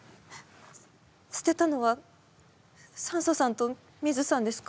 捨てたのはサンソさんとミズさんですか？